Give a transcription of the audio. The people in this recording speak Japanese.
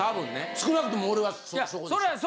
少なくとも俺はそこでした。